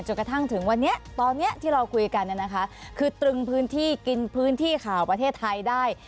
กระทั่งถึงวันนี้ตอนนี้ที่เราคุยกันเนี่ยนะคะคือตรึงพื้นที่กินพื้นที่ข่าวประเทศไทยได้